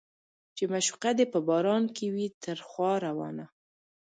چې معشوقه دې په باران کې وي تر خوا روانه